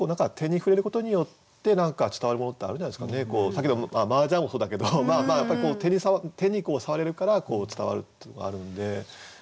先ほどの麻雀もそうだけど手に触れるから伝わるっていうのがあるので。